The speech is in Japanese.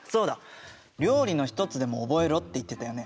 料理の一つでも覚えろって言ってたよね？